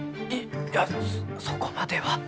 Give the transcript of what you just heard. いやそこまでは。